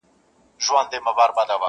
اوس مي بُتکده دزړه آباده ده,